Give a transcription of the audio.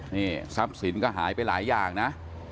นี่ทรัพย์สินก็หายไปหลายอย่างนะ